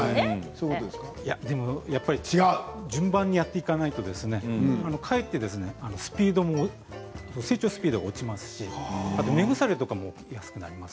やっぱり順番にやっていかないとかえって成長スピードが落ちますし根腐れとかも起きやすくなります。